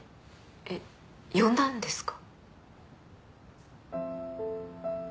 えっ呼んだんですか？